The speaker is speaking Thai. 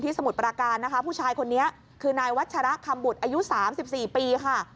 สมุทรปราการนะคะผู้ชายคนนี้คือนายวัชระคำบุตรอายุ๓๔ปีค่ะ